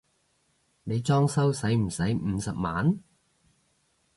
你裝修駛唔駛五十萬？